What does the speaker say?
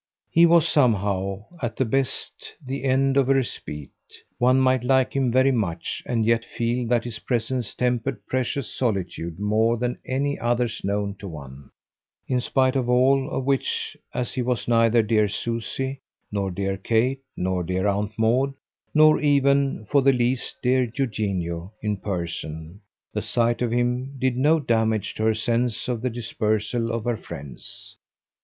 He was somehow, at the best, the end of a respite; one might like him very much and yet feel that his presence tempered precious solitude more than any other known to one: in spite of all of which, as he was neither dear Susie, nor dear Kate, nor dear Aunt Maud, nor even, for the least, dear Eugenio in person, the sight of him did no damage to her sense of the dispersal of her friends.